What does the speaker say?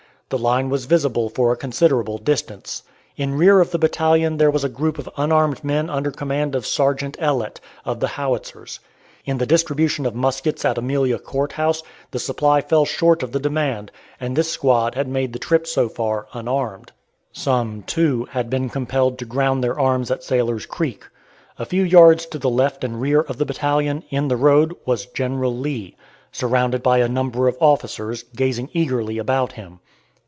The line was visible for a considerable distance. In rear of the battalion there was a group of unarmed men under command of Sergeant Ellett, of the Howitzers. In the distribution of muskets at Amelia Court House the supply fell short of the demand, and this squad had made the trip so far unarmed. Some, too, had been compelled to ground their arms at Sailor's Creek. A few yards to the left and rear of the battalion, in the road, was General Lee, surrounded by a number of officers, gazing eagerly about him.